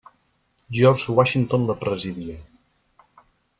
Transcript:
George Washington la presidia.